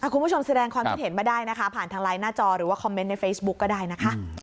คุณผู้ชมแสดงความคิดเห็นมาได้นะคะผ่านทางไลน์หน้าจอหรือว่าคอมเมนต์ในเฟซบุ๊กก็ได้นะคะ